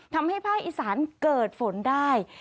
ทำให้ภาคอีสานเกิดฝนได้